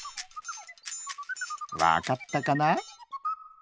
わかったかな？